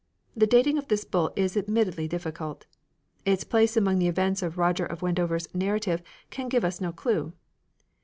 The dating of this Bull is admittedly difficult. Its place among the events of Roger of Wendover's narrative can give us no clue.